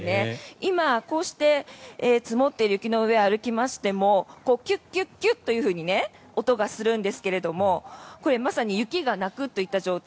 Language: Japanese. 今、こうして積もっている雪の上を歩きましてもキュキュッキュッと音がするんですがこれ、まさに雪が鳴くという状態。